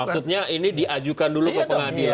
maksudnya ini diajukan dulu ke pengadilan